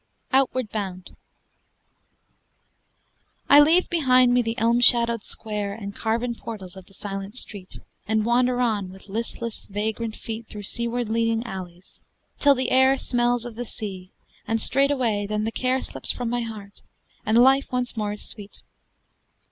OUTWARD BOUND I leave behind me the elm shadowed square And carven portals of the silent street, And wander on with listless, vagrant feet Through seaward leading alleys, till the air Smells of the sea, and straightway then the care Slips from my heart, and life once more is sweet.